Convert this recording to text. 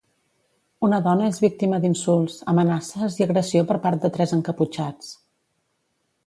Una dona és víctima d'insults, amenaces i agressió per part de tres encaputxats.